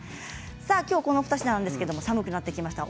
今日はこの２品ですが寒くなってきました。